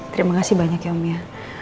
terima kasih banyak ya om ya